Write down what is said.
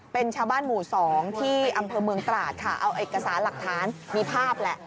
เป็นชาวบ้านหมู่๒ที่อำเภอเมืองตราดค่ะเอาเอกสารหลักฐานมีภาพแหละ